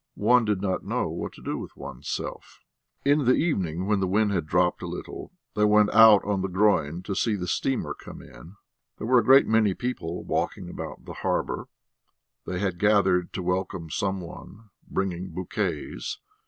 One did not know what to do with oneself. In the evening when the wind had dropped a little, they went out on the groyne to see the steamer come in. There were a great many people walking about the harbour; they had gathered to welcome some one, bringing bouquets.